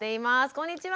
こんにちは！